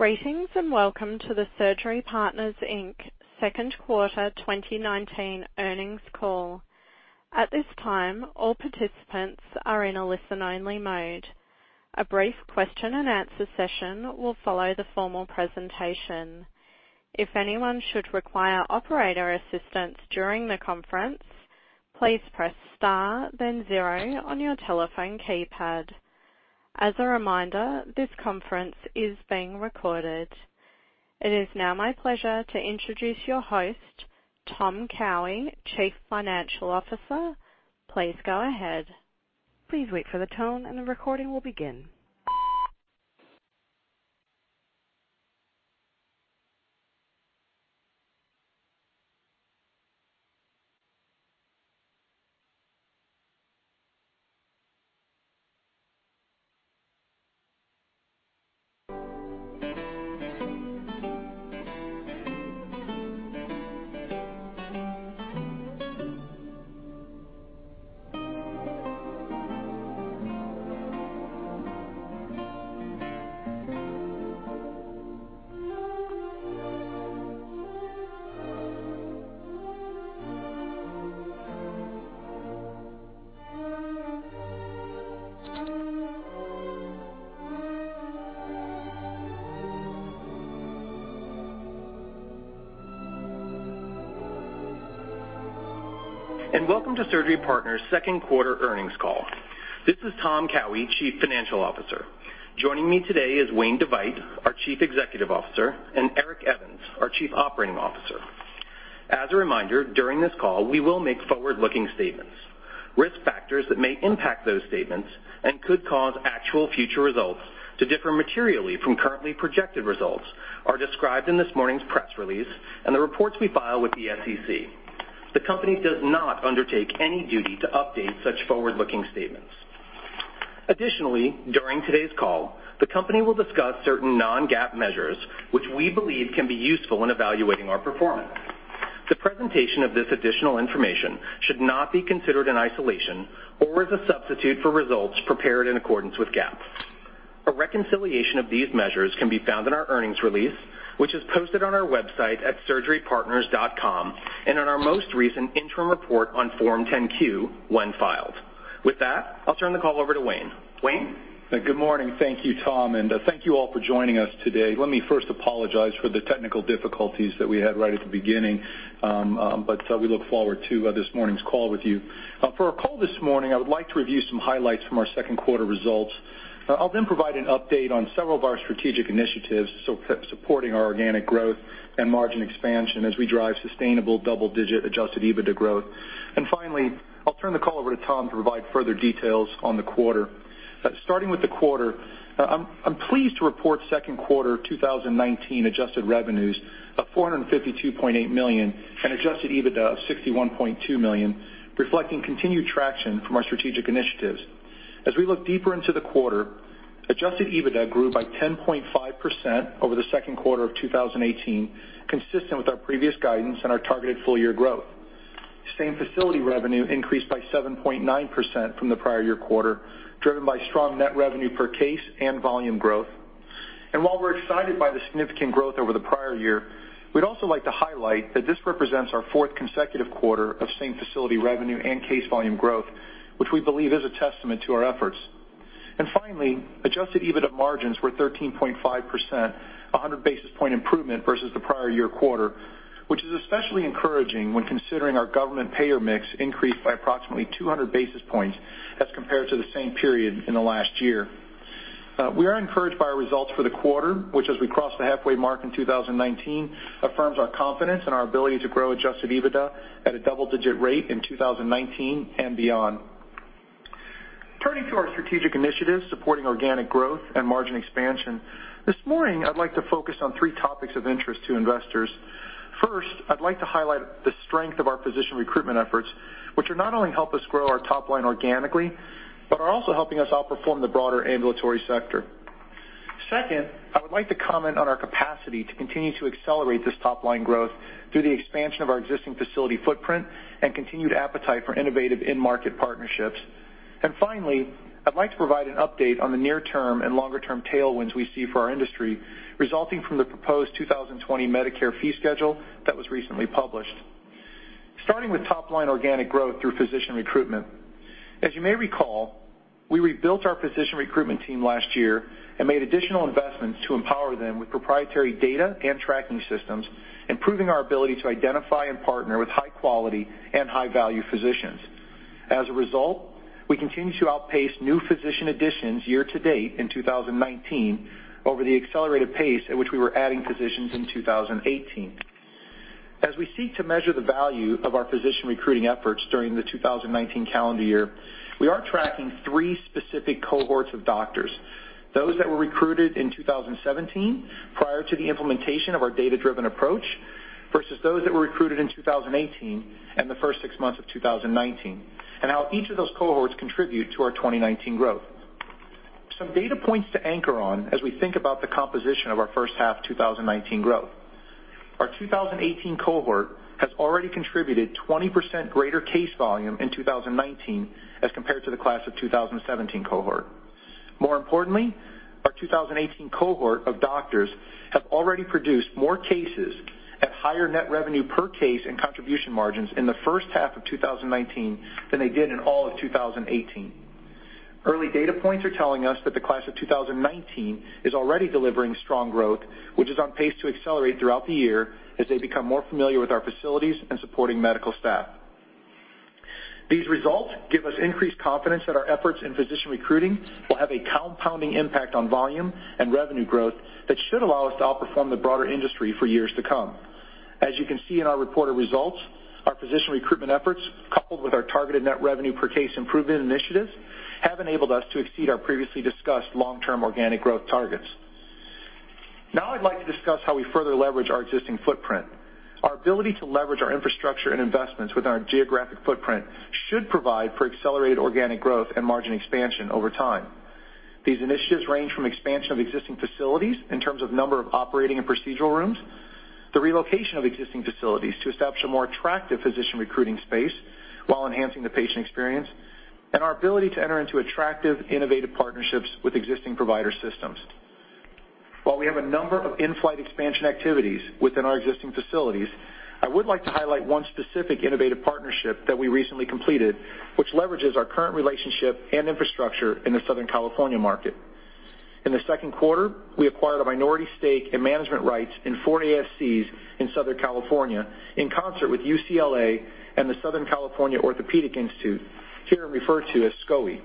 Greetings, welcome to the Surgery Partners, Inc. second quarter 2019 earnings call. At this time, all participants are in a listen-only mode. A brief question and answer session will follow the formal presentation. If anyone should require operator assistance during the conference, please press star, then zero on your telephone keypad. As a reminder, this conference is being recorded. It is now my pleasure to introduce your host, Tom Cowhey, Chief Financial Officer. Please go ahead. Please wait for the tone, and the recording will begin. Welcome to Surgery Partners' second quarter earnings call. This is Tom Cowhey, Chief Financial Officer. Joining me today is Wayne DeVeydt, our Chief Executive Officer, and Eric Evans, our Chief Operating Officer. As a reminder, during this call, we will make forward-looking statements. Risk factors that may impact those statements and could cause actual future results to differ materially from currently projected results are described in this morning's press release and the reports we file with the SEC. The company does not undertake any duty to update such forward-looking statements. Additionally, during today's call, the company will discuss certain non-GAAP measures which we believe can be useful in evaluating our performance. The presentation of this additional information should not be considered in isolation or as a substitute for results prepared in accordance with GAAP. A reconciliation of these measures can be found in our earnings release, which is posted on our website at surgerypartners.com and in our most recent interim report on Form 10-Q when filed. With that, I'll turn the call over to Wayne. Wayne? Good morning. Thank you, Tom, and thank you all for joining us today. Let me first apologize for the technical difficulties that we had right at the beginning, but we look forward to this morning's call with you. For our call this morning, I would like to review some highlights from our second quarter results. I'll then provide an update on several of our strategic initiatives supporting our organic growth and margin expansion as we drive sustainable double-digit adjusted EBITDA growth. Finally, I'll turn the call over to Tom to provide further details on the quarter. Starting with the quarter, I'm pleased to report second quarter 2019 adjusted revenues of $452.8 million and adjusted EBITDA of $61.2 million, reflecting continued traction from our strategic initiatives. As we look deeper into the quarter, adjusted EBITDA grew by 10.5% over the second quarter of 2018, consistent with our previous guidance and our targeted full-year growth. Same-facility revenue increased by 7.9% from the prior year quarter, driven by strong net revenue per case and volume growth. While we're excited by the significant growth over the prior year, we'd also like to highlight that this represents our fourth consecutive quarter of same-facility revenue and case volume growth, which we believe is a testament to our efforts. Finally, adjusted EBITDA margins were 13.5%, a 100-basis point improvement versus the prior year quarter, which is especially encouraging when considering our government payer mix increased by approximately 200 basis points as compared to the same period in the last year. We are encouraged by our results for the quarter, which as we cross the halfway mark in 2019, affirms our confidence in our ability to grow adjusted EBITDA at a double-digit rate in 2019 and beyond. Turning to our strategic initiatives supporting organic growth and margin expansion, this morning, I'd like to focus on three topics of interest to investors. First, I'd like to highlight the strength of our physician recruitment efforts, which not only help us grow our top line organically, but are also helping us outperform the broader ambulatory sector. Second, I would like to comment on our capacity to continue to accelerate this top-line growth through the expansion of our existing facility footprint and continued appetite for innovative in-market partnerships. Finally, I'd like to provide an update on the near-term and longer-term tailwinds we see for our industry, resulting from the proposed 2020 Medicare fee schedule that was recently published. Starting with top-line organic growth through physician recruitment. As you may recall, we rebuilt our physician recruitment team last year and made additional investments to empower them with proprietary data and tracking systems, improving our ability to identify and partner with high-quality and high-value physicians. As a result, we continue to outpace new physician additions year to date in 2019 over the accelerated pace at which we were adding physicians in 2018. As we seek to measure the value of our physician recruiting efforts during the 2019 calendar year, we are tracking three specific cohorts of doctors, those that were recruited in 2017 prior to the implementation of our data-driven approach versus those that were recruited in 2018 and the first six months of 2019, and how each of those cohorts contribute to our 2019 growth. Some data points to anchor on as we think about the composition of our first half 2019 growth. Our 2018 cohort has already contributed 20% greater case volume in 2019 as compared to the class of 2017 cohort. More importantly, our 2018 cohort of doctors have already produced more cases at higher net revenue per case and contribution margins in the first half of 2019 than they did in all of 2018. Early data points are telling us that the class of 2019 is already delivering strong growth, which is on pace to accelerate throughout the year as they become more familiar with our facilities and supporting medical staff. These results give us increased confidence that our efforts in physician recruiting will have a compounding impact on volume and revenue growth that should allow us to outperform the broader industry for years to come. As you can see in our reported results, our physician recruitment efforts, coupled with our targeted net revenue per case improvement initiatives, have enabled us to exceed our previously discussed long-term organic growth targets. I'd like to discuss how we further leverage our existing footprint. Our ability to leverage our infrastructure and investments with our geographic footprint should provide for accelerated organic growth and margin expansion over time. These initiatives range from expansion of existing facilities in terms of number of operating and procedural rooms, the relocation of existing facilities to establish a more attractive physician recruiting space while enhancing the patient experience, and our ability to enter into attractive, innovative partnerships with existing provider systems. While we have a number of in-flight expansion activities within our existing facilities, I would like to highlight one specific innovative partnership that we recently completed, which leverages our current relationship and infrastructure in the Southern California market. In the second quarter, we acquired a minority stake in management rights in four ASCs in Southern California in concert with UCLA and the Southern California Orthopedic Institute, herein referred to as SCOI,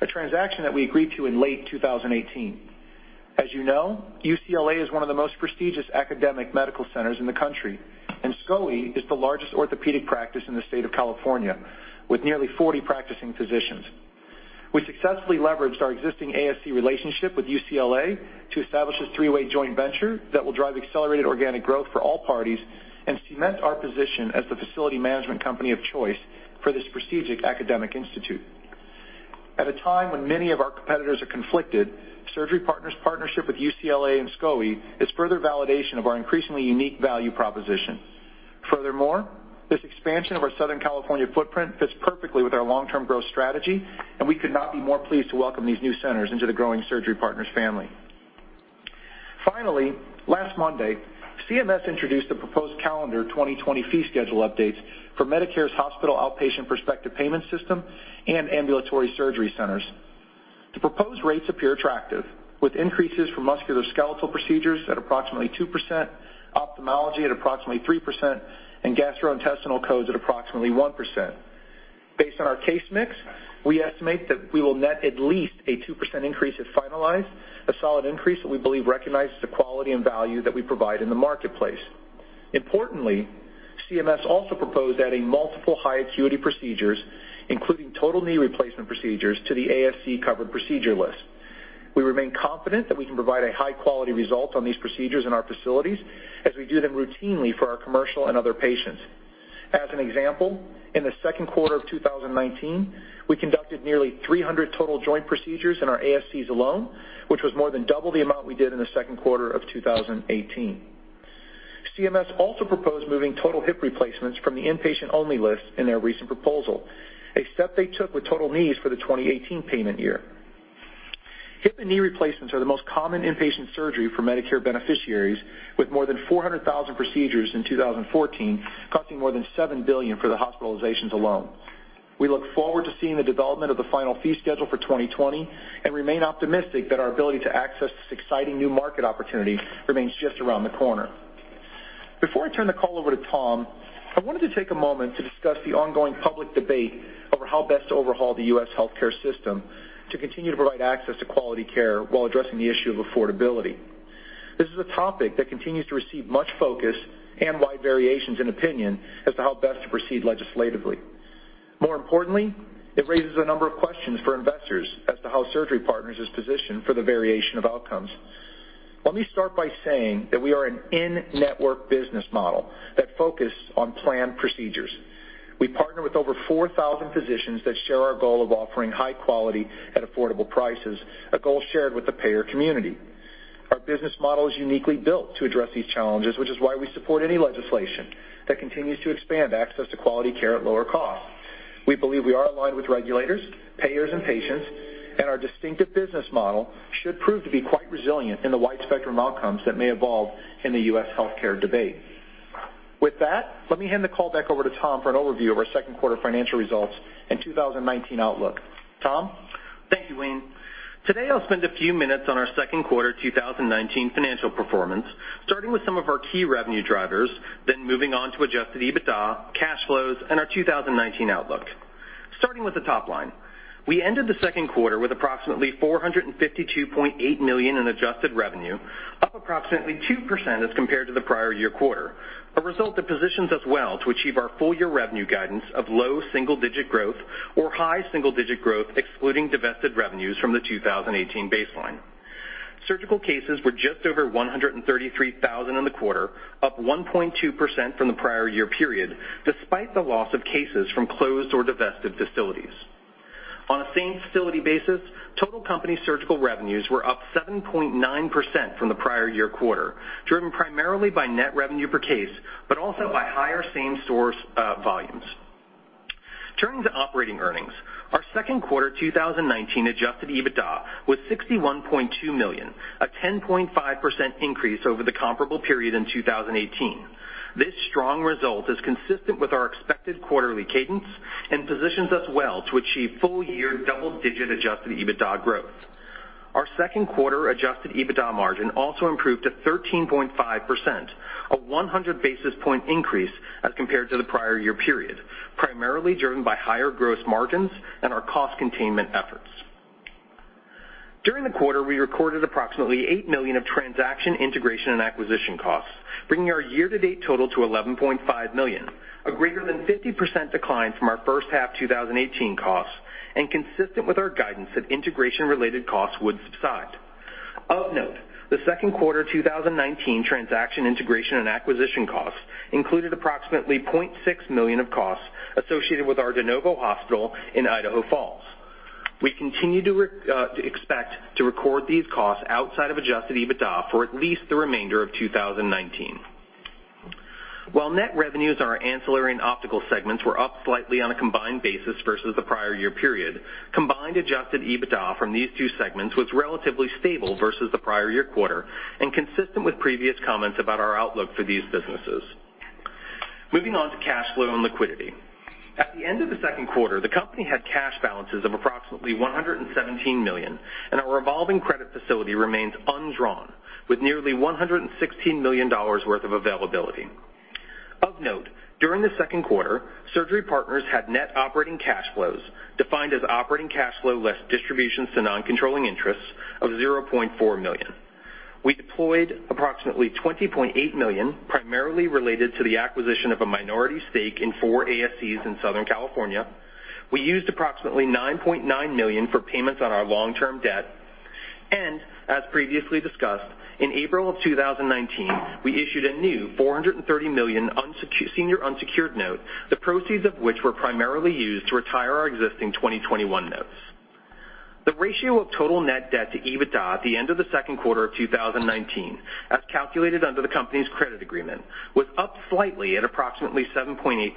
a transaction that we agreed to in late 2018. As you know, UCLA is one of the most prestigious academic medical centers in the country, and SCOI is the largest orthopedic practice in the state of California, with nearly 40 practicing physicians. We successfully leveraged our existing ASC relationship with UCLA to establish a three-way joint venture that will drive accelerated organic growth for all parties and cement our position as the facility management company of choice for this prestigious academic institute. At a time when many of our competitors are conflicted, Surgery Partners' partnership with UCLA and SCOI is further validation of our increasingly unique value proposition. Furthermore, this expansion of our Southern California footprint fits perfectly with our long-term growth strategy, and we could not be more pleased to welcome these new centers into the growing Surgery Partners family. Finally, last Monday, CMS introduced a proposed calendar 2020 fee schedule updates for Medicare's Hospital Outpatient Prospective Payment System and ambulatory surgery centers. The proposed rates appear attractive, with increases for musculoskeletal procedures at approximately 2%, ophthalmology at approximately 3%, and gastrointestinal codes at approximately 1%. Based on our case mix, we estimate that we will net at least a 2% increase if finalized, a solid increase that we believe recognizes the quality and value that we provide in the marketplace. Importantly, CMS also proposed adding multiple high acuity procedures, including total knee replacement procedures, to the ASC covered procedure list. We remain confident that we can provide a high quality result on these procedures in our facilities as we do them routinely for our commercial and other patients. As an example, in the second quarter of 2019, we conducted nearly 300 total joint procedures in our ASCs alone, which was more than double the amount we did in the second quarter of 2018. CMS also proposed moving total hip replacements from the Inpatient-Only List in their recent proposal, a step they took with total knees for the 2018 payment year. Hip and knee replacements are the most common inpatient surgery for Medicare beneficiaries, with more than 400,000 procedures in 2014 costing more than $7 billion for the hospitalizations alone. We look forward to seeing the development of the final fee schedule for 2020 and remain optimistic that our ability to access this exciting new market opportunity remains just around the corner. Before I turn the call over to Tom, I wanted to take a moment to discuss the ongoing public debate over how best to overhaul the U.S. healthcare system to continue to provide access to quality care while addressing the issue of affordability. This is a topic that continues to receive much focus and wide variations in opinion as to how best to proceed legislatively. More importantly, it raises a number of questions for investors as to how Surgery Partners is positioned for the variation of outcomes. Let me start by saying that we are an in-network business model that focuses on planned procedures. We partner with over 4,000 physicians that share our goal of offering high quality at affordable prices, a goal shared with the payer community. Our business model is uniquely built to address these challenges, which is why we support any legislation that continues to expand access to quality care at lower cost. We believe we are aligned with regulators, payers, and patients, and our distinctive business model should prove to be quite resilient in the wide spectrum outcomes that may evolve in the U.S. healthcare debate. With that, let me hand the call back over to Tom for an overview of our second quarter financial results and 2019 outlook. Tom? Thank you, Wayne. Today, I'll spend a few minutes on our second quarter 2019 financial performance, starting with some of our key revenue drivers, moving on to adjusted EBITDA, cash flows, and our 2019 outlook. Starting with the top line, we ended the second quarter with approximately $452.8 million in adjusted revenue, up approximately 2% as compared to the prior year quarter, a result that positions us well to achieve our full-year revenue guidance of low single-digit growth or high single-digit growth excluding divested revenues from the 2018 baseline. Surgical cases were just over 133,000 in the quarter, up 1.2% from the prior year period, despite the loss of cases from closed or divested facilities. On a same-facility basis, total company surgical revenues were up 7.9% from the prior year quarter, driven primarily by net revenue per case, also by higher same-store volumes. Turning to operating earnings, our second quarter 2019 adjusted EBITDA was $61.2 million, a 10.5% increase over the comparable period in 2018. This strong result is consistent with our expected quarterly cadence and positions us well to achieve full-year double-digit adjusted EBITDA growth. Our second quarter adjusted EBITDA margin also improved to 13.5%, a 100 basis points increase as compared to the prior year period, primarily driven by higher gross margins and our cost containment efforts. During the quarter, we recorded approximately $8 million of transaction integration and acquisition costs, bringing our year-to-date total to $11.5 million, a greater than 50% decline from our first half 2018 costs and consistent with our guidance that integration related costs would subside. Of note, the second quarter 2019 transaction integration and acquisition costs included approximately $0.6 million of costs associated with our de novo hospital in Idaho Falls. We continue to expect to record these costs outside of adjusted EBITDA for at least the remainder of 2019. While net revenues in our ancillary and optical segments were up slightly on a combined basis versus the prior year period, combined adjusted EBITDA from these two segments was relatively stable versus the prior year quarter and consistent with previous comments about our outlook for these businesses. Moving on to cash flow and liquidity. At the end of the second quarter, the company had cash balances of approximately $117 million, and our revolving credit facility remains undrawn, with nearly $116 million worth of availability. Of note, during the second quarter, Surgery Partners had net operating cash flows defined as operating cash flow less distributions to non-controlling interests of $0.4 million. We deployed approximately $20.8 million, primarily related to the acquisition of a minority stake in four ASCs in Southern California. We used approximately $9.9 million for payments on our long-term debt. As previously discussed, in April of 2019, we issued a new $430 million senior unsecured note, the proceeds of which were primarily used to retire our existing 2021 notes. The ratio of total net debt to EBITDA at the end of the second quarter of 2019, as calculated under the company's credit agreement, was up slightly at approximately 7.8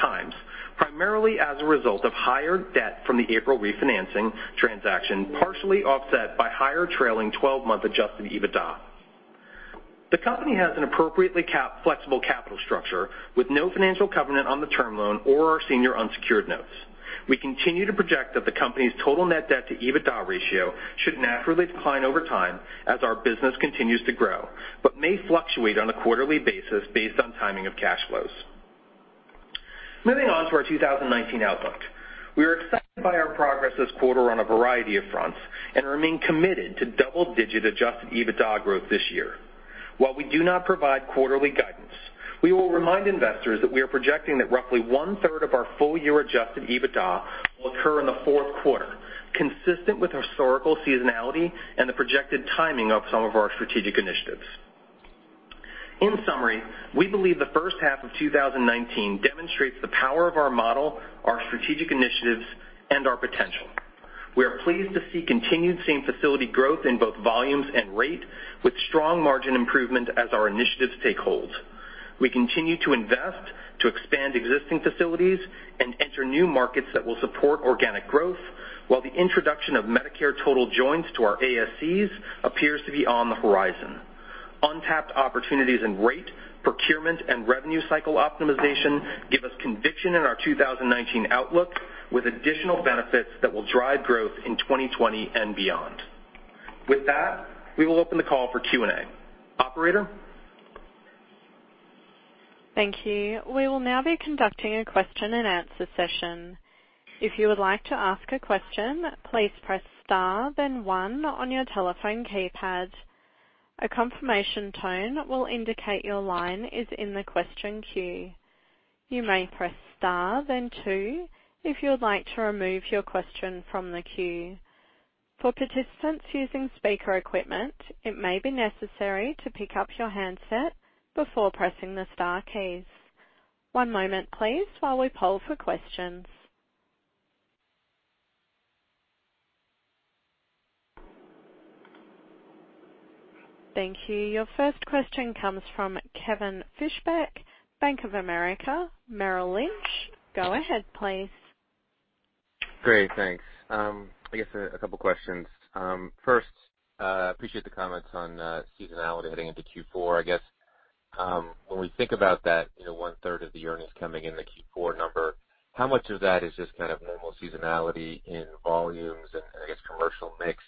times, primarily as a result of higher debt from the April refinancing transaction, partially offset by higher trailing 12-month adjusted EBITDA. The company has an appropriately flexible capital structure with no financial covenant on the term loan or our senior unsecured notes. We continue to project that the company's total net debt to EBITDA ratio should naturally decline over time as our business continues to grow but may fluctuate on a quarterly basis based on timing of cash flows. Moving on to our 2019 outlook. We are excited by our progress this quarter on a variety of fronts and remain committed to double-digit adjusted EBITDA growth this year. While we do not provide quarterly guidance, we will remind investors that we are projecting that roughly 1/3 our full-year adjusted EBITDA will occur in the fourth quarter, consistent with historical seasonality and the projected timing of some of our strategic initiatives. In summary, we believe the first half of 2019 demonstrates the power of our model, our strategic initiatives, and our potential. We are pleased to see continued same-facility growth in both volumes and rate with strong margin improvement as our initiatives take hold. We continue to invest to expand existing facilities and enter new markets that will support organic growth while the introduction of Medicare Total Joints to our ASCs appears to be on the horizon. Untapped opportunities in rate, procurement, and revenue cycle optimization give us conviction in our 2019 outlook with additional benefits that will drive growth in 2020 and beyond. With that, we will open the call for Q&A. Operator? Thank you. We will now be conducting a question and answer session. If you would like to ask a question, please press star then one on your telephone keypad. A confirmation tone will indicate your line is in the question queue. You may press star then two if you would like to remove your question from the queue. For participants using speaker equipment, it may be necessary to pick up your handset before pressing the star keys. One moment, please, while we poll for questions. Thank you. Your first question comes from Kevin Fischbeck, Bank of America Merrill Lynch. Go ahead, please. Great. Thanks. I guess a couple of questions. First, appreciate the comments on seasonality heading into Q4. I guess, when we think about that one-third of the earnings coming in the Q4 number, how much of that is just normal seasonality in volumes and, I guess, commercial mix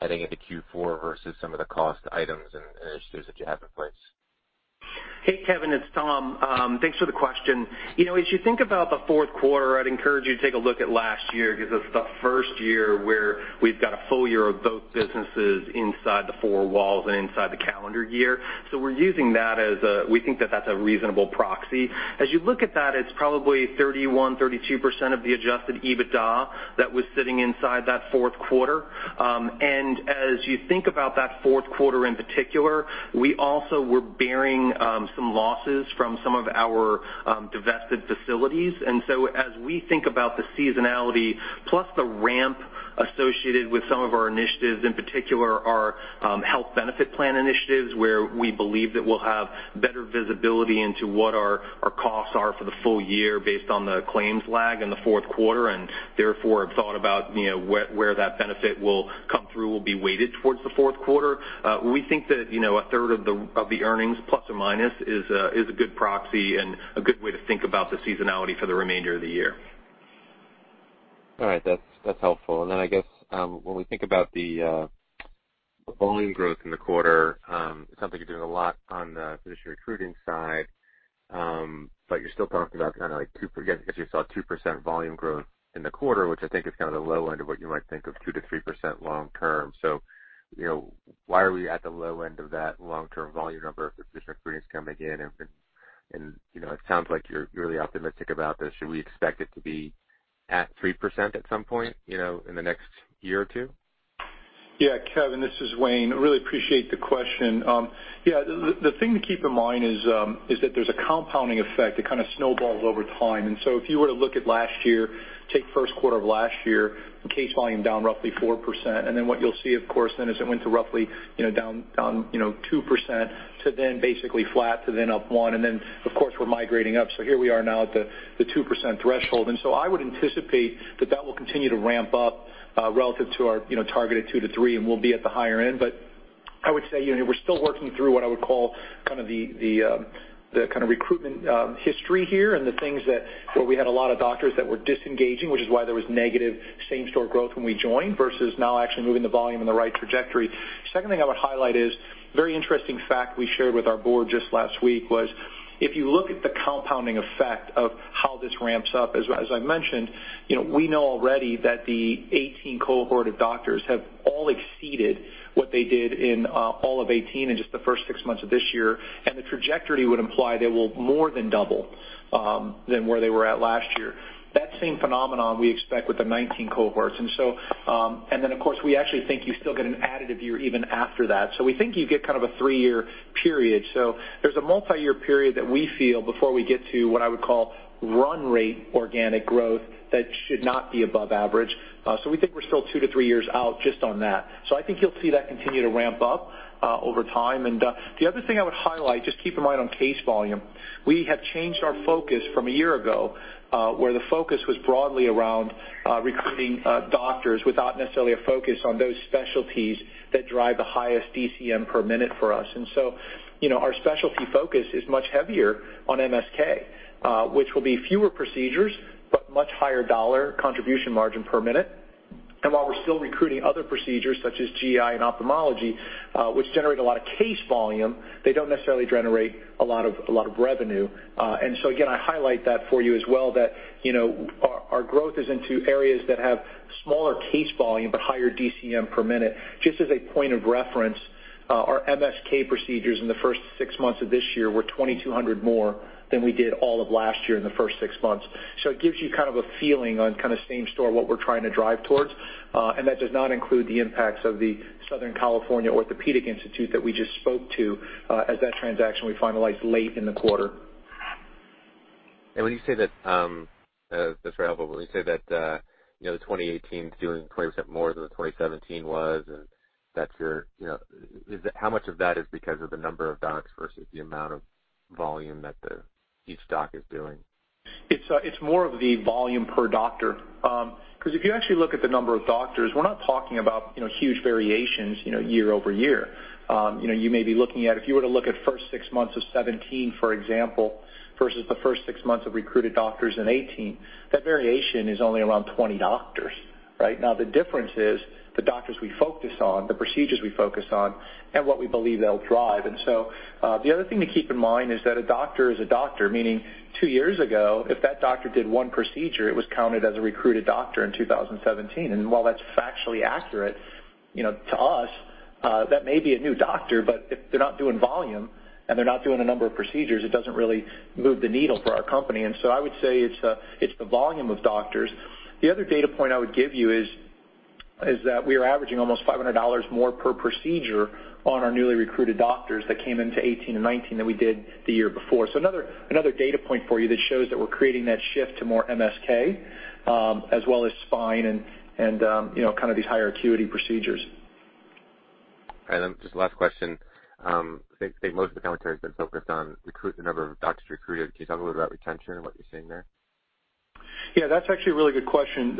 heading into Q4 versus some of the cost items and initiatives that you have in place? Hey, Kevin, it's Tom. Thanks for the question. As you think about the fourth quarter, I'd encourage you to take a look at last year, because it's the first year where we've got a full year of both businesses inside the four walls and inside the calendar year. We're using that, we think that that's a reasonable proxy. As you look at that, it's probably 31%, 32% of the adjusted EBITDA that was sitting inside that fourth quarter. As you think about that fourth quarter in particular, we also were bearing some losses from some of our divested facilities. As we think about the seasonality plus the ramp associated with some of our initiatives, in particular our health benefit plan initiatives, where we believe that we'll have better visibility into what our costs are for the full year based on the claims lag in the fourth quarter, and therefore have thought about where that benefit will come through, will be weighted towards the fourth quarter. We think that a third of the earnings, plus or minus, is a good proxy and a good way to think about the seasonality for the remainder of the year. All right. That's helpful. I guess, when we think about the volume growth in the quarter, it's something you're doing a lot on the physician recruiting side. You're still talking about kind of like two, I guess you saw 2% volume growth in the quarter, which I think is kind of the low end of what you might think of 2%-3% long term. Why are we at the low end of that long term volume number if physician recruiting is coming again and it sounds like you're really optimistic about this. Should we expect it to be at 3% at some point in the next year or two? Yeah, Kevin, this is Wayne. Really appreciate the question. Yeah, the thing to keep in mind is that there's a compounding effect that kind of snowballs over time. If you were to look at last year, take first quarter of last year, case volume down roughly 4%. What you'll see, of course, then as it went to roughly down 2% to then basically flat to then up one, and then, of course, we're migrating up. Here we are now at the 2% threshold. I would anticipate that that will continue to ramp up relative to our targeted 2%-3% and we'll be at the higher end. I would say, we're still working through what I would call kind of the recruitment history here and the things that, where we had a lot of doctors that were disengaging, which is why there was negative same store growth when we joined, versus now actually moving the volume in the right trajectory. Second thing I would highlight is, very interesting fact we shared with our board just last week was, if you look at the compounding effect of how this ramps up, as I mentioned, we know already that the 18 cohort of doctors have all exceeded what they did in all of 2018 and just the first six months of this year. The trajectory would imply they will more than double than where they were at last year. That same phenomenon we expect with the 2019 cohorts. Of course, we actually think you still get an additive year even after that. We think you get kind of a three-year period. There's a multi-year period that we feel before we get to what I would call run rate organic growth that should not be above average. We think we're still two to three years out just on that. I think you'll see that continue to ramp up over time. The other thing I would highlight, just keep in mind on case volume, we have changed our focus from a year ago, where the focus was broadly around recruiting doctors without necessarily a focus on those specialties that drive the highest DCM per minute for us. Our specialty focus is much heavier on MSK, which will be fewer procedures, but much higher dollar contribution margin per minute. While we're still recruiting other procedures such as GI and ophthalmology, which generate a lot of case volume, they don't necessarily generate a lot of revenue. Again, I highlight that for you as well that our growth is into areas that have smaller case volume, but higher DCM per minute. Just as a point of reference, our MSK procedures in the first six months of this year were 2,200 more than we did all of last year in the first six months. It gives you kind of a feeling on kind of same store, what we're trying to drive towards. That does not include the impacts of the Southern California Orthopedic Institute that we just spoke to, as that transaction we finalized late in the quarter. When you say that's very helpful. When you say that 2018 is doing 20% more than 2017 was, how much of that is because of the number of docs versus the amount of volume that each doc is doing? It's more of the volume per doctor. If you actually look at the number of doctors, we're not talking about huge variations year-over-year. You may be looking at, if you were to look at first six months of 2017, for example, versus the first six months of recruited doctors in 2018, that variation is only around 20 doctors. Right? The difference is the doctors we focus on, the procedures we focus on, and what we believe they'll drive. The other thing to keep in mind is that a doctor is a doctor, meaning two years ago, if that doctor did one procedure, it was counted as a recruited doctor in 2017. While that's factually accurate, to us, that may be a new doctor, but if they're not doing volume and they're not doing a number of procedures, it doesn't really move the needle for our company. I would say it's the volume of doctors. The other data point I would give you is that we are averaging almost $500 more per procedure on our newly recruited doctors that came into 2018 and 2019 than we did the year before. Another data point for you that shows that we're creating that shift to more MSK, as well as spine and kind of these higher acuity procedures. Just the last question. I think most of the commentary has been focused on the number of doctors recruited. Can you talk a little about retention and what you're seeing there? Yeah, that's actually a really good question.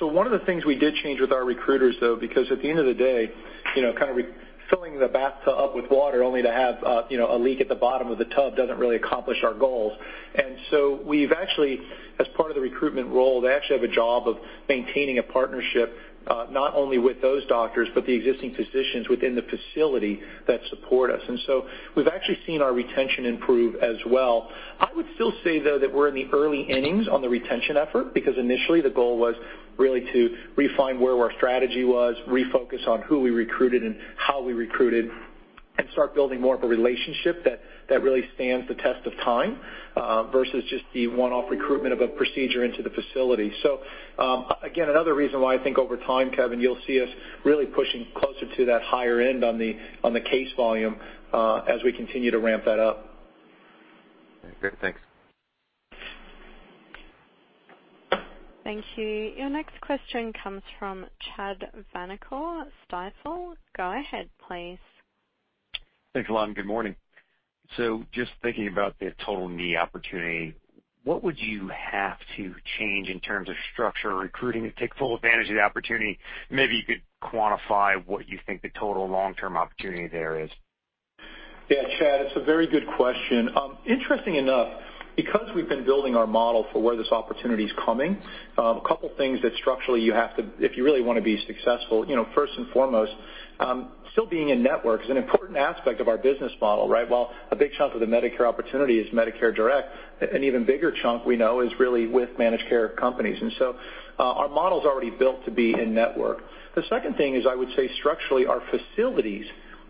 One of the things we did change with our recruiters, though, because at the end of the day, filling the bathtub up with water only to have a leak at the bottom of the tub doesn't really accomplish our goals. We've actually, as part of the recruitment role, they actually have a job of maintaining a partnership, not only with those doctors, but the existing physicians within the facility that support us. We've actually seen our retention improve as well. I would still say, though, that we're in the early innings on the retention effort, because initially the goal was really to refine where our strategy was, refocus on who we recruited and how we recruited, and start building more of a relationship that really stands the test of time, versus just the one-off recruitment of a procedure into the facility. Again, another reason why I think over time, Kevin, you'll see us really pushing closer to that higher end on the case volume as we continue to ramp that up. Okay, great. Thanks. Thank you. Your next question comes from Chad Vanacore, Stifel. Go ahead, please. Thanks a lot, good morning. Just thinking about the total knee opportunity, what would you have to change in terms of structure or recruiting to take full advantage of the opportunity? Maybe you could quantify what you think the total long-term opportunity there is. Chad, it's a very good question. Interesting enough, because we've been building our model for where this opportunity's coming, a couple things that structurally you have to, if you really want to be successful, first and foremost, still being in-network is an important aspect of our business model, right? While a big chunk of the Medicare opportunity is Medicare direct, an even bigger chunk we know is really with managed care companies. Our model's already built to be in-network. The second thing is, I would say structurally, our facilities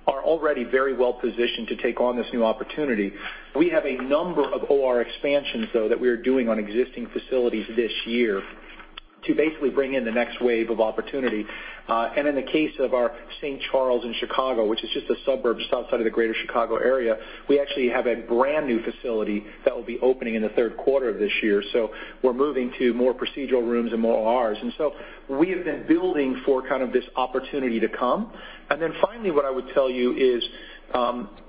are already very well positioned to take on this new opportunity. We have a number of OR expansions, though, that we are doing on existing facilities this year to basically bring in the next wave of opportunity. In the case of our St. Charles in Chicago, which is just a suburb just outside of the greater Chicago area, we actually have a brand new facility that will be opening in the third quarter of this year. We're moving to more procedural rooms and more ORs. We have been building for kind of this opportunity to come. Finally, what I would tell you is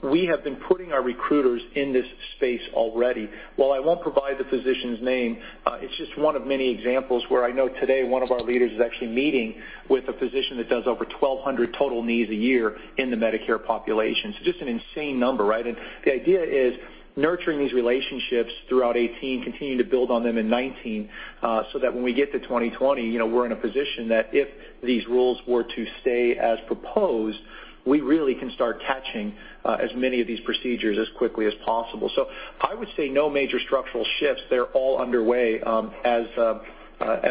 we have been putting our recruiters in this space already. While I won't provide the physician's name, it's just one of many examples where I know today one of our leaders is actually meeting with a physician that does over 1,200 total knees a year in the Medicare population. Just an insane number, right? The idea is nurturing these relationships throughout 2018, continuing to build on them in 2019, so that when we get to 2020, we're in a position that if these rules were to stay as proposed, we really can start catching as many of these procedures as quickly as possible. I would say no major structural shifts. They're all underway as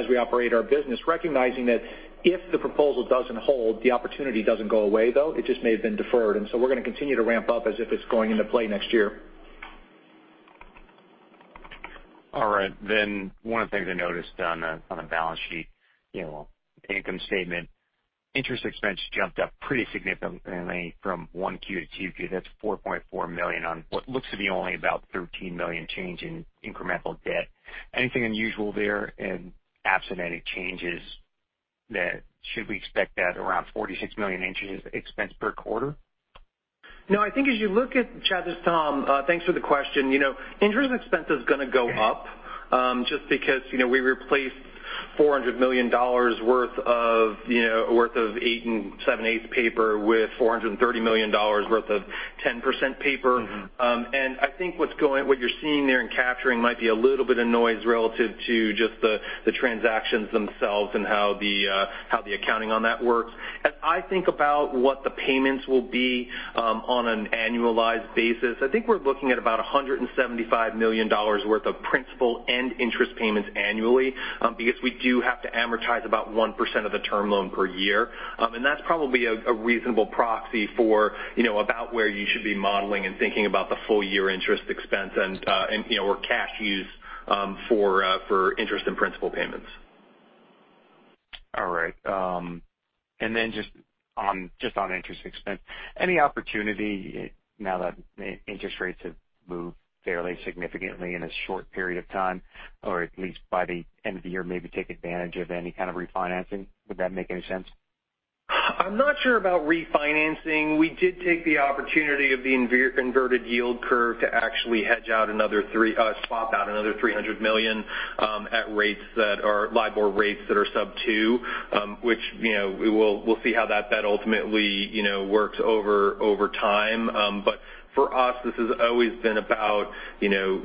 we operate our business, recognizing that if the proposal doesn't hold, the opportunity doesn't go away, though. It just may have been deferred. We're going to continue to ramp up as if it's going into play next year. All right, one of the things I noticed on the balance sheet, income statement, interest expense jumped up pretty significantly from 1Q to 2Q. That's $4.4 million on what looks to be only about $13 million change in incremental debt. Anything unusual there? Absent any changes, should we expect that around $46 million interest expense per quarter? No, I think as you look at, Chad, this, Tom, thanks for the question. Interest expense is gonna go up, just because we replaced $400 million worth of eight and seven-eighths paper with $430 million worth of 10% paper. I think what you're seeing there and capturing might be a little bit of noise relative to just the transactions themselves and how the accounting on that works. As I think about what the payments will be on an annualized basis, I think we're looking at about $175 million worth of principal and interest payments annually, because we do have to amortize about 1% of the term loan per year. That's probably a reasonable proxy for about where you should be modeling and thinking about the full-year interest expense or cash use for interest and principal payments. All right. Just on interest expense. Any opportunity now that interest rates have moved fairly significantly in a short period of time, or at least by the end of the year, maybe take advantage of any kind of refinancing? Would that make any sense? I'm not sure about refinancing. We did take the opportunity of the inverted yield curve to actually swap out another $300 million at LIBOR rates that are sub 2%, which we'll see how that ultimately works over time. For us, this has always been about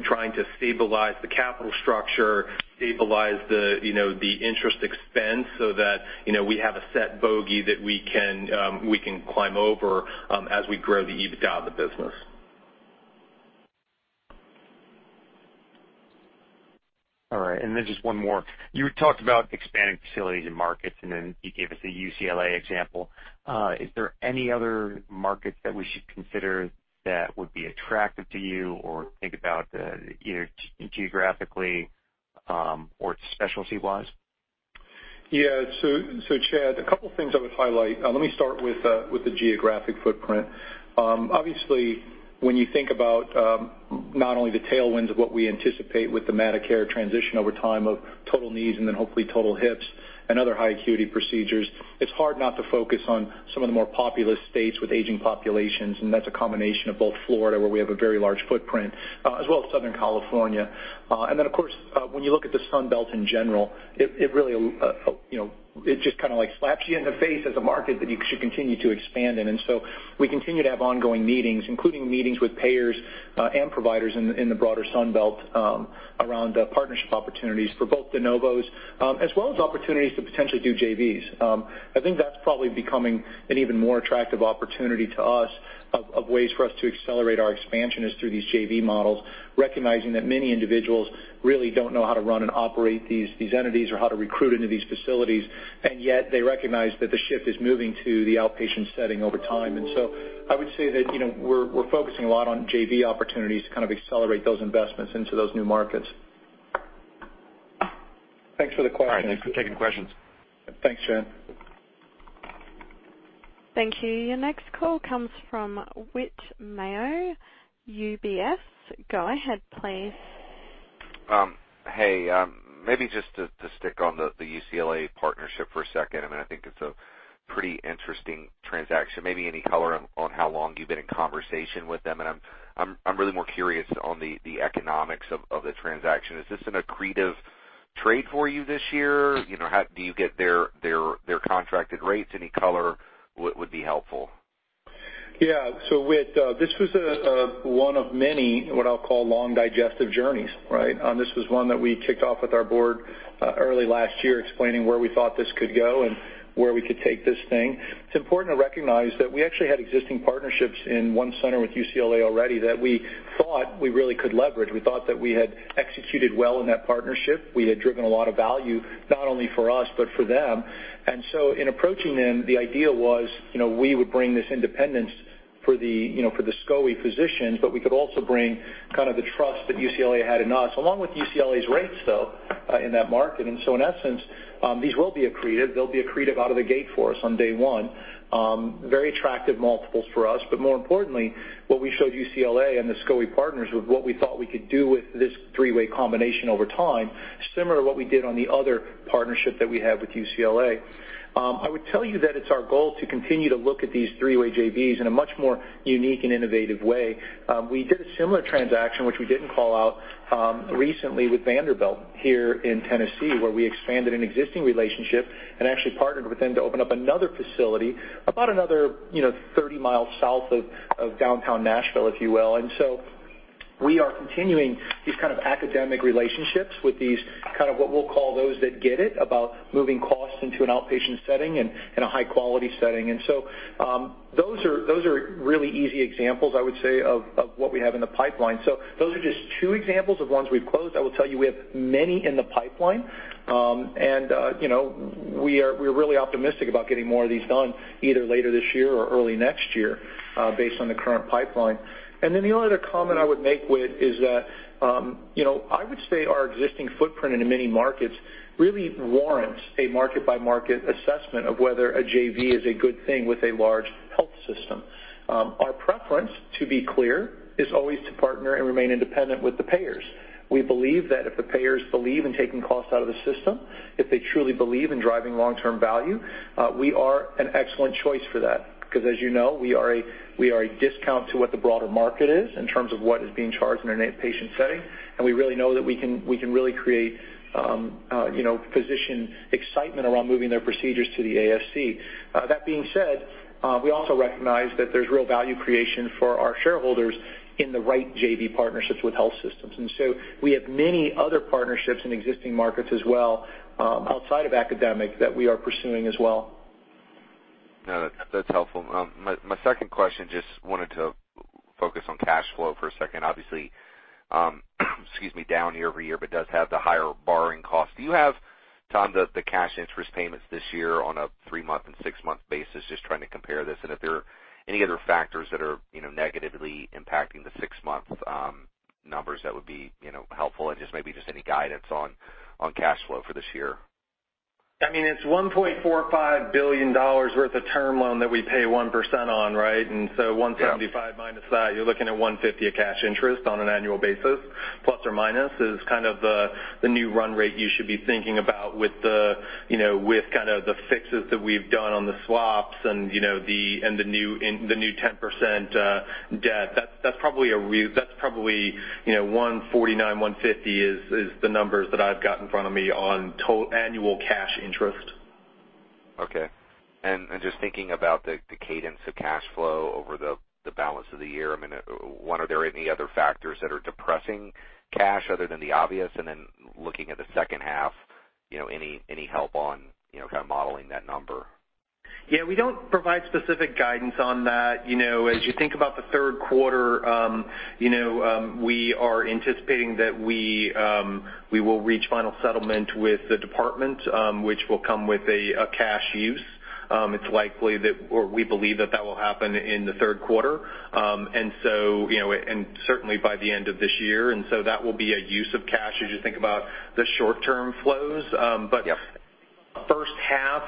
trying to stabilize the capital structure, stabilize the interest expense so that we have a set bogey that we can climb over as we grow the EBITDA of the business. All right. Just one more. You had talked about expanding facilities and markets, and then you gave us the UCLA example. Is there any other markets that we should consider that would be attractive to you or think about either geographically or specialty wise? Yeah. Chad, a couple things I would highlight. Let me start with the geographic footprint. Obviously, when you think about not only the tailwinds of what we anticipate with the Medicare transition over time of total knees and then hopefully total hips and other high acuity procedures, it's hard not to focus on some of the more populous states with aging populations. That's a combination of both Florida, where we have a very large footprint, as well as Southern California. Of course, when you look at the Sun Belt in general, it just kind of slaps you in the face as a market that you should continue to expand in. We continue to have ongoing meetings, including meetings with payers and providers in the broader Sun Belt around partnership opportunities for both de novos as well as opportunities to potentially do JVs. I think that's probably becoming an even more attractive opportunity to us of ways for us to accelerate our expansion is through these JV models, recognizing that many individuals really don't know how to run and operate these entities or how to recruit into these facilities, and yet they recognize that the shift is moving to the outpatient setting over time. I would say that we're focusing a lot on JV opportunities to kind of accelerate those investments into those new markets. Thanks for the question. All right, thanks for taking questions. Thanks, Chad. Thank you. Your next call comes from Whit Mayo, UBS. Go ahead, please. Hey, maybe just to stick on the UCLA partnership for a second. I think it's a pretty interesting transaction. Maybe any color on how long you've been in conversation with them, and I'm really more curious on the economics of the transaction. Is this an accretive trade for you this year? Do you get their contracted rates? Any color would be helpful. Yeah. Whit, this was one of many what I'll call long digestive journeys, right? This was one that we kicked off with our board early last year explaining where we thought this could go and where we could take this thing. It's important to recognize that we actually had existing partnerships in one center with UCLA already that we thought we really could leverage. We thought that we had executed well in that partnership. We had driven a lot of value, not only for us but for them. In approaching them, the idea was we would bring this independence for the SCOI physicians, but we could also bring kind of the trust that UCLA had in us, along with UCLA's rates, though, in that market. In essence, these will be accretive. They'll be accretive out of the gate for us on day one. Very attractive multiples for us. More importantly, what we showed UCLA and the SCOI partners was what we thought we could do with this three-way combination over time, similar to what we did on the other partnership that we have with UCLA. I would tell you that it's our goal to continue to look at these three-way JVs in a much more unique and innovative way. We did a similar transaction, which we didn't call out recently with Vanderbilt here in Tennessee, where we expanded an existing relationship and actually partnered with them to open up another facility about another 30 miles south of downtown Nashville, if you will. We are continuing these kind of academic relationships with these what we'll call those that get it about moving costs into an outpatient setting and a high-quality setting. Those are really easy examples, I would say, of what we have in the pipeline. Those are just two examples of ones we've closed. I will tell you. We have many in the pipeline. We're really optimistic about getting more of these done either later this year or early next year based on the current pipeline. The only other comment I would make, Whit, is that I would say our existing footprint in many markets really warrants a market-by-market assessment of whether a JV is a good thing with a large health system. Our preference, to be clear, is always to partner and remain independent with the payers. We believe that if the payers believe in taking cost out of the system, if they truly believe in driving long-term value, we are an excellent choice for that because as you know, we are a discount to what the broader market is in terms of what is being charged in an inpatient setting, and we really know that we can really create physician excitement around moving their procedures to the ASC. That being said, we also recognize that there's real value creation for our shareholders in the right JV partnerships with health systems. We have many other partnerships in existing markets as well outside of academic that we are pursuing as well. No, that's helpful. My second question, just wanted to focus on cash flow for a second. Obviously excuse me, down year-over-year, but does have the higher borrowing cost. Do you have, Tom, the cash interest payments this year on a three-month and six-month basis? Just trying to compare this and if there are any other factors that are negatively impacting the six-month numbers that would be helpful and just maybe any guidance on cash flow for this year. It's $1.45 billion worth of term loan that we pay 1% on, right? $175 million minus that, you're looking at $150 million of cash interest on an annual basis, ± is kind of the new run rate you should be thinking about with the fixes that we've done on the swaps and the new 10% debt. That's probably $149 million, $150 million is the numbers that I've got in front of me on total annual cash interest. Okay. Just thinking about the cadence of cash flow over the balance of the year. One, are there any other factors that are depressing cash other than the obvious? Looking at the second half, any help on modeling that number? Yeah, we don't provide specific guidance on that. As you think about the third quarter, we are anticipating that we will reach final settlement with the department, which will come with a cash use. It's likely that, or we believe that will happen in the third quarter. Certainly by the end of this year, and so that will be a use of cash as you think about the short-term flows. Yes. First half,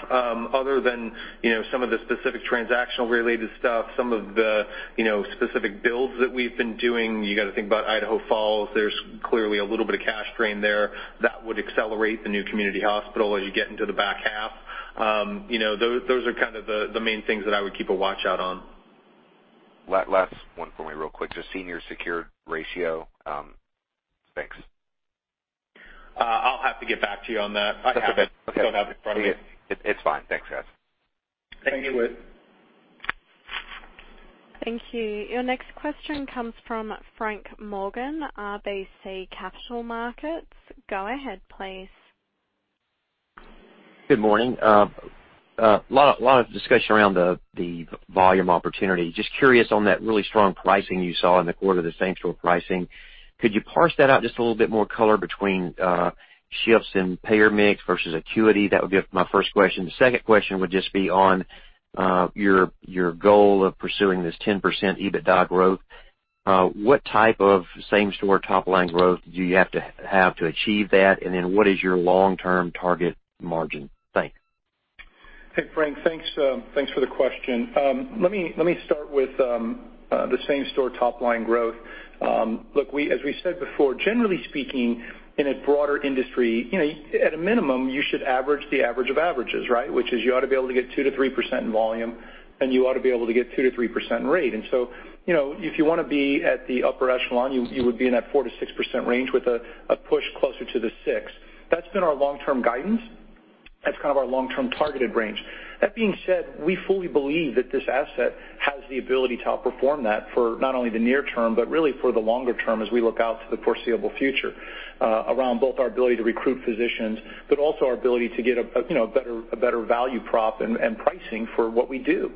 other than some of the specific transactional related stuff, some of the specific builds that we've been doing. You got to think about Idaho Falls. There's clearly a little bit of cash drain there that would accelerate the new Community Hospital as you get into the back half. Those are the main things that I would keep a watch out on. Last one for me real quick, just senior secured ratio. Thanks. I'll have to get back to you on that. I have it. That's okay. Just don't have it in front of me. It's fine. Thanks, guys. Thank you, Whit. Thank you. Your next question comes from Frank Morgan, RBC Capital Markets. Go ahead, please. Good morning. Lot of discussion around the volume opportunity. Just curious on that really strong pricing you saw in the quarter, the same-store pricing. Could you parse that out just a little bit more color between shifts in payer mix versus acuity? That would be my first question. The second question would just be on your goal of pursuing this 10% EBITDA growth. What type of same-store top-line growth do you have to have to achieve that, and then what is your long-term target margin? Thanks. Hey, Frank, thanks for the question. Let me start with the same-store top line growth. Look, as we said before, generally speaking, in a broader industry, at a minimum, you should average the average of averages, right? Which is you ought to be able to get 2%-3% in volume, and you ought to be able to get 2%-3% in rate. If you want to be at the upper echelon, you would be in that 4%-6% range with a push closer to the six. That's been our long-term guidance. That's kind of our long-term targeted range. That being said, we fully believe that this asset has the ability to outperform that for not only the near term, but really for the longer term as we look out to the foreseeable future around both our ability to recruit physicians, but also our ability to get a better value prop and pricing for what we do.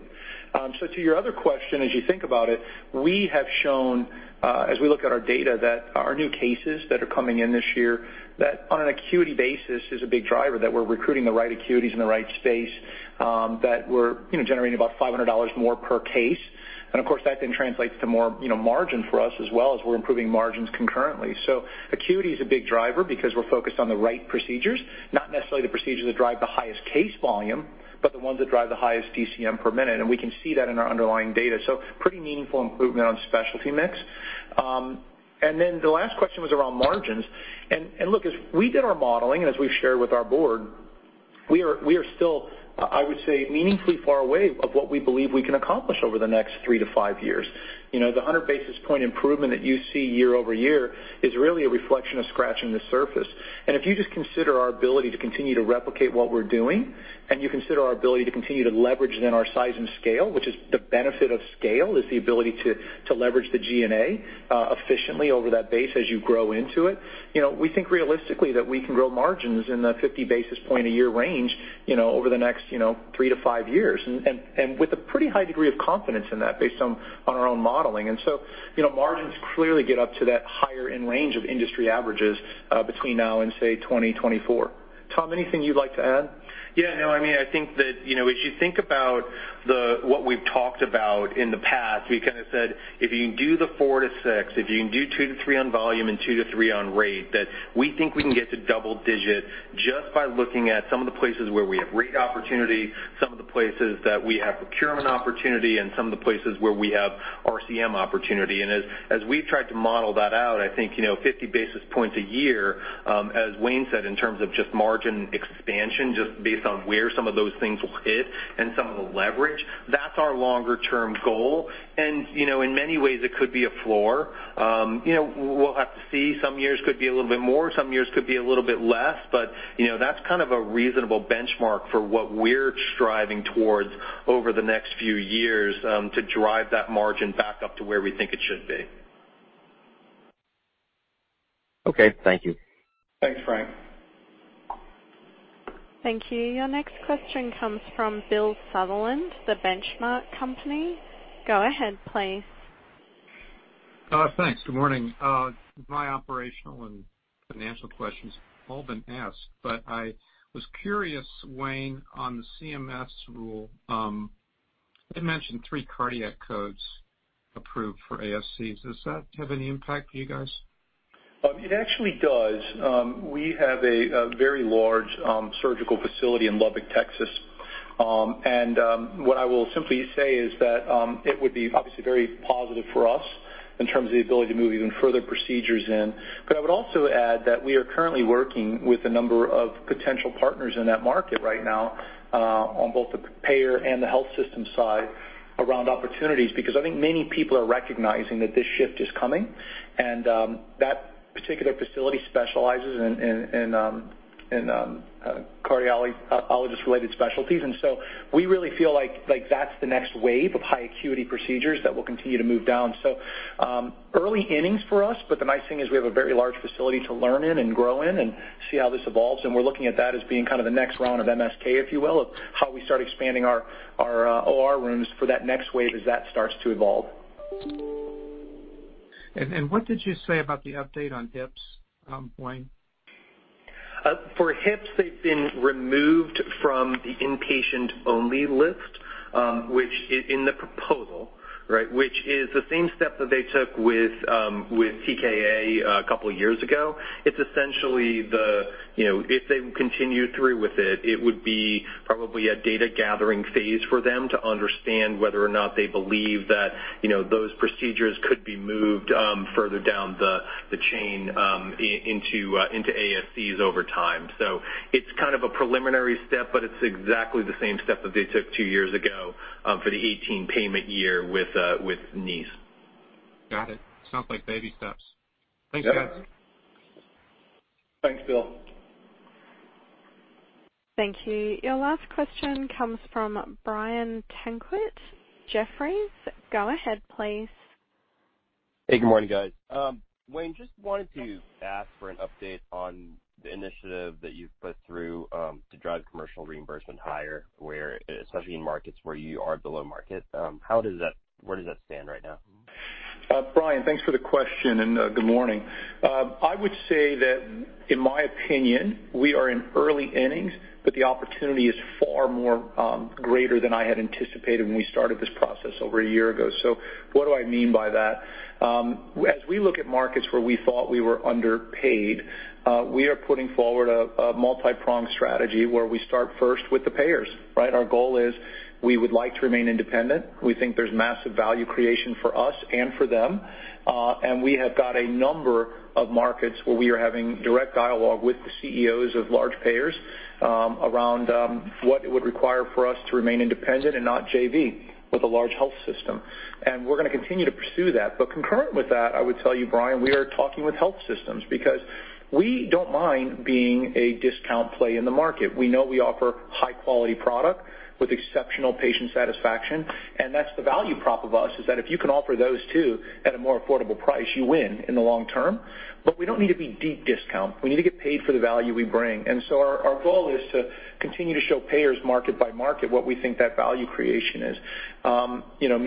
To your other question, as you think about it, we have shown, as we look at our data, that our new cases that are coming in this year, that on an acuity basis is a big driver, that we're recruiting the right acuities in the right space, that we're generating about $500 more per case. Of course, that then translates to more margin for us as well as we're improving margins concurrently. Acuity is a big driver because we're focused on the right procedures, not necessarily the procedures that drive the highest case volume, but the ones that drive the highest DCM per minute, and we can see that in our underlying data. Pretty meaningful improvement on specialty mix. The last question was around margins. Look, as we did our modeling, and as we've shared with our board, we are still, I would say, meaningfully far away of what we believe we can accomplish over the next three to five years. The 100 basis point improvement that you see year-over-year is really a reflection of scratching the surface. If you just consider our ability to continue to replicate what we're doing, and you consider our ability to continue to leverage then our size and scale, which is the benefit of scale, is the ability to leverage the G&A efficiently over that base as you grow into it. We think realistically that we can grow margins in the 50 basis point a year range over the next three to five years, and with a pretty high degree of confidence in that based on our own modeling. So, margins clearly get up to that higher end range of industry averages between now and, say, 2024. Tom, anything you'd like to add? I think that as you think about what we've talked about in the past, we kind of said, if you can do the four to six, if you can do two to three on volume and two to three on rate, that we think we can get to double-digit just by looking at some of the places where we have rate opportunity, some of the places that we have procurement opportunity, and some of the places where we have RCM opportunity. As we've tried to model that out, I think, 50 basis points a year, as Wayne said, in terms of just margin expansion, just based on where some of those things will hit and some of the leverage, that's our longer-term goal. In many ways, it could be a floor. We'll have to see. Some years could be a little bit more, some years could be a little bit less, but that's kind of a reasonable benchmark for what we're striving towards over the next few years to drive that margin back up to where we think it should be. Okay. Thank you. Thanks, Frank. Thank you. Your next question comes from Bill Sutherland, The Benchmark Company. Go ahead, please. Thanks. Good morning. My operational and financial questions have all been asked, but I was curious, Wayne, on the CMS rule. You mentioned three cardiac codes approved for ASC. Does that have any impact for you guys? It actually does. We have a very large surgical facility in Lubbock, Texas. What I will simply say is that it would be obviously very positive for us in terms of the ability to move even further procedures in. I would also add that we are currently working with a number of potential partners in that market right now on both the payer and the health system side around opportunities, because I think many people are recognizing that this shift is coming, and that particular facility specializes in cardiologist-related specialties. We really feel like that's the next wave of high acuity procedures that will continue to move down. Early innings for us, the nice thing is we have a very large facility to learn in and grow in and see how this evolves, and we're looking at that as being kind of the next round of MSK, if you will, of how we start expanding our OR rooms for that next wave as that starts to evolve. What did you say about the update on hips, Wayne? For hips, they've been removed from the Inpatient-Only List In the proposal, which is the same step that they took with TKA a couple of years ago. It's essentially, if they continue through with it would be probably a data gathering phase for them to understand whether or not they believe that those procedures could be moved further down the chain into ASCs over time. It's kind of a preliminary step, but it's exactly the same step that they took two years ago for the 2018 payment year with knees. Got it. Sounds like baby steps. Thanks, guys. Thanks, Bill. Thank you. Your last question comes from Brian Tanquilut, Jefferies. Go ahead, please. Hey, good morning, guys. Wayne, just wanted to ask for an update on the initiative that you've put through to drive commercial reimbursement higher, especially in markets where you are below market. Where does that stand right now? Brian, thanks for the question. Good morning. I would say that, in my opinion, we are in early innings, but the opportunity is far more greater than I had anticipated when we started this process over a year ago. What do I mean by that? As we look at markets where we thought we were underpaid, we are putting forward a multi-pronged strategy where we start first with the payers, right? Our goal is we would like to remain independent. We think there's massive value creation for us and for them. We have got a number of markets where we are having direct dialogue with the CEOs of large payers around what it would require for us to remain independent and not JV with a large health system. We're going to continue to pursue that. Concurrent with that, I would tell you, Brian, we are talking with health systems because we don't mind being a discount play in the market. We know we offer high-quality product with exceptional patient satisfaction, and that's the value prop of us, is that if you can offer those two at a more affordable price, you win in the long term. We don't need to be deep discount. We need to get paid for the value we bring. Our goal is to continue to show payers market by market what we think that value creation is.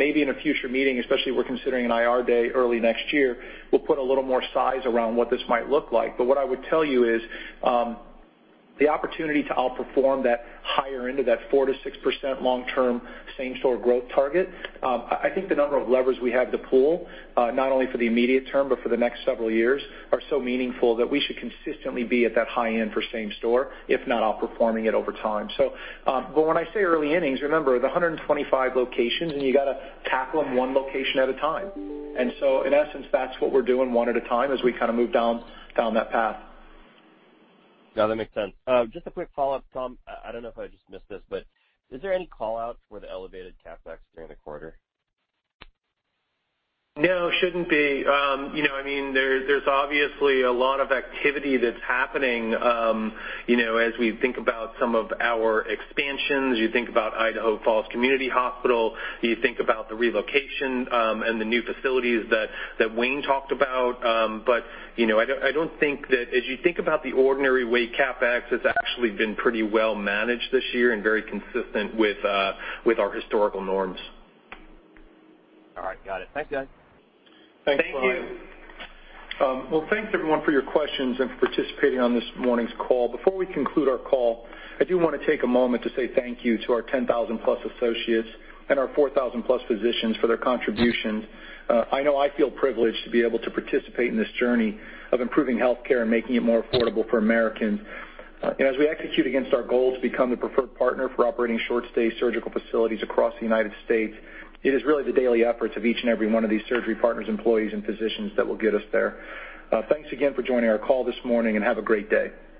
Maybe in a future meeting, especially we're considering an IR day early next year, we'll put a little more size around what this might look like. What I would tell you is the opportunity to outperform that higher end of that 4% to 6% long-term same-store growth target, I think the number of levers we have to pull, not only for the immediate term but for the next several years, are so meaningful that we should consistently be at that high end for same store, if not outperforming it over time. When I say early innings, remember, the 125 locations and you got to tackle them one location at a time. In essence, that's what we're doing one at a time as we move down that path. No, that makes sense. Just a quick follow-up, Tom, I don't know if I just missed this. Is there any call-outs for the elevated CapEx during the quarter? No, shouldn't be. There's obviously a lot of activity that's happening as we think about some of our expansions. You think about Idaho Falls Community Hospital, you think about the relocation and the new facilities that Wayne talked about. I don't think that as you think about the ordinary way, CapEx has actually been pretty well managed this year and very consistent with our historical norms. All right. Got it. Thanks, guys. Thanks, Brian. Thank you. Thanks everyone for your questions and for participating on this morning's call. Before we conclude our call, I do want to take a moment to say thank you to our 10,000-plus associates and our 4,000-plus physicians for their contributions. I know I feel privileged to be able to participate in this journey of improving healthcare and making it more affordable for Americans. As we execute against our goal to become the preferred partner for operating short-stay surgical facilities across the United States, it is really the daily efforts of each and every one of these Surgery Partners employees and physicians that will get us there. Thanks again for joining our call this morning, and have a great day.